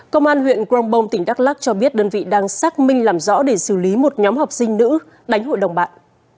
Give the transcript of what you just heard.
công an huyện grongbong tỉnh đắk lắc cho biết đơn vị đang xác minh làm rõ để xử lý một nhóm học sinh nữ đánh hội đồng bạn